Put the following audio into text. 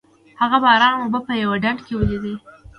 هغه د باران اوبه په یوه ډنډ کې ولیدې.